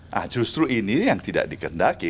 nah justru ini yang tidak dikendaki